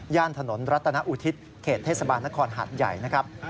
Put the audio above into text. ถนนรัตนอุทิศเขตเทศบาลนครหัดใหญ่นะครับ